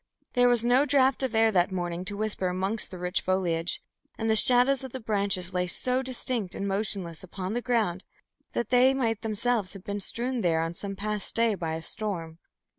There was no draught of air that morning to whisper amongst the rich foliage, and the shadows of the branches lay so distinct and motionless upon the ground that they might themselves have been branches strewn there on some past day by a storm.